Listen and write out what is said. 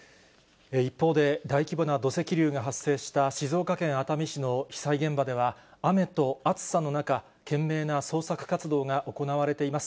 一方で、大規模な土石流が発生した静岡県熱海市の被災現場では、雨と暑さの中、懸命な捜索活動が行われています。